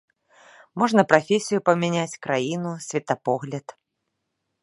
Можна прафесію памяняць, краіну, светапогляд.